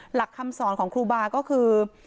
หลักคำสอนของครูบาก็คือ